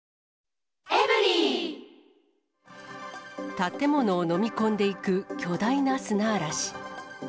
建物を飲み込んでいく巨大な砂嵐。